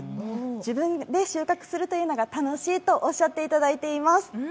自分で収穫するというのが楽しいとおっしゃっていただいています。